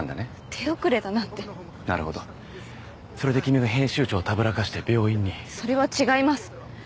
手遅れだなんてなるほどそれで君が編集長をたぶらかして病院にそれは違います